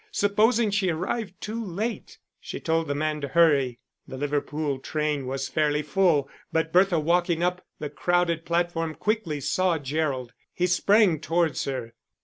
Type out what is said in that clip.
Supposing she arrived too late? She told the man to hurry. The Liverpool train was fairly full; but Bertha walking up the crowded platform quickly saw Gerald. He sprang towards her.